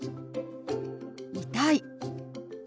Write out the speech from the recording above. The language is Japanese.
「痛い」。